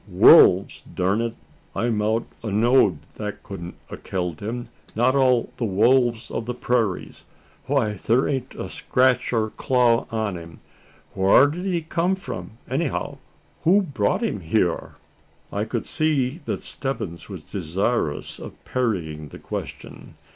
"Wolves! durn it, I mout a know'd they kudn't a killed him not all the wolves on the parairies! Why thur ain't the scratch o' a claw on him! Whar did he come from anyhow? Who's brought him hyur?" I could see that Stebbins was desirous of parrying the question.